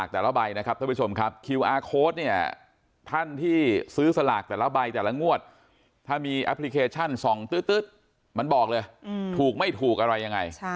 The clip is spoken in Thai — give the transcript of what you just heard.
ถ้ามีแอปพลิเคชันส่องตื๊ดมันบอกเลยถูกไม่ถูกอะไรยังไง